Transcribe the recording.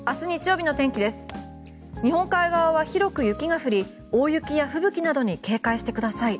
日本海側は広く雪が降り大雪や吹雪などに警戒してください。